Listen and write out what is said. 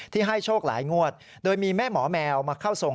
ให้โชคหลายงวดโดยมีแม่หมอแมวมาเข้าทรง